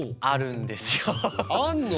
あるんです。